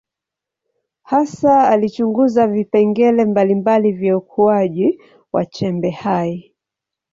Hasa alichunguza vipengele mbalimbali vya ukuaji wa chembe hai.